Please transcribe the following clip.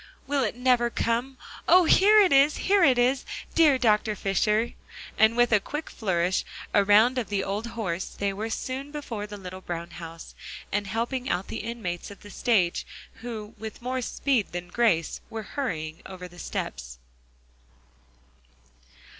"Will it never come oh! here it is, here it is, dear Dr. Fisher." And with a quick flourish around of the old horse, they were soon before the little brown house, and helping out the inmates of the stage, who with more speed than grace were hurrying over the steps.